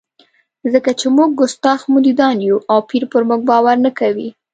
ځکه چې موږ کستاخ مریدان یو او پیر پر موږ باور نه کوي.